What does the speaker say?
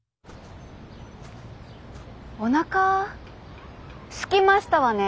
おなかすきましたわね。